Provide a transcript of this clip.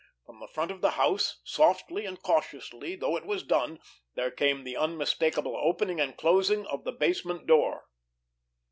From the front of the house, softly and cautiously though it was done, there came the unmistakable opening and closing of the basement door.